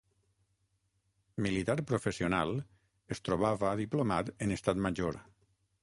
Militar professional, es trobava diplomat en Estat Major.